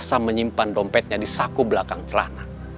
rasa menyimpan dompetnya di saku belakang celana